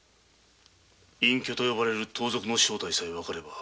「隠居」と呼ばれる盗賊の正体さえわかれば。